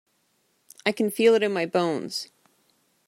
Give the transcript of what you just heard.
I can feel it in my bones.